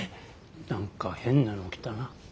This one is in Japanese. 何か変なの来たな。